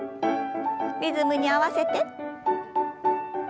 リズムに合わせて。